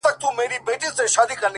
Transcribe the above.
• نه د شین سترګي تعویذ ګر له کوډو ,